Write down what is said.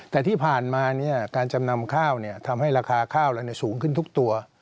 แต่ที่ผ่านมาการจำนำข้าวทำให้ราคาข้าวเราสูงขึ้นทุกตัว